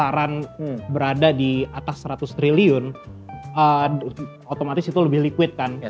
kalau sekarang berada di atas seratus triliun otomatis itu lebih liquid kan